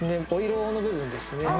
お色の部分です。